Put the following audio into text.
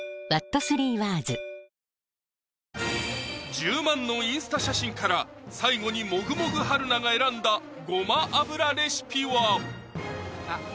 １０万のインスタ写真から最後にもぐもぐ春菜が選んだごま油レシピは？